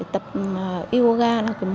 tập yoga là một mục